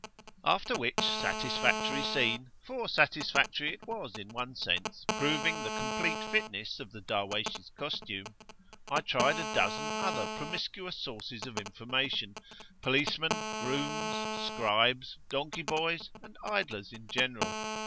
After which satisfactory scene, for satisfactory it was in one sense, proving the complete fitness of the Darwaysh's costume, I tried a dozen other promiscuous sources of information, policemen, grooms, scribes, donkey boys, and idlers in general.